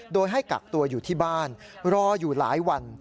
โดยให้กักตัวอยู่ที่บ้านรออยู่หลายวัน